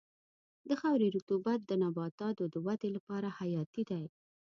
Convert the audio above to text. د خاورې رطوبت د نباتاتو د ودې لپاره حیاتي دی.